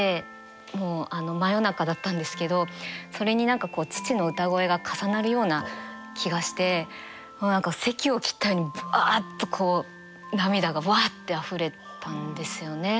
もう真夜中だったんですけどそれに何かこう父の歌声が重なるような気がしてもう何かせきを切ったようにぶわっとこう涙がぶわってあふれたんですよね。